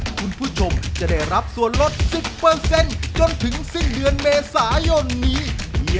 คุณผู้ชมจะได้รับส่วนลดสิบเปอร์เซ็นต์จนถึงสิ้นเดือนเมษายนนี้